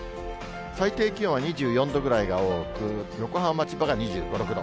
最低気温は２４度ぐらいが多く、横浜、千葉が２５、６度。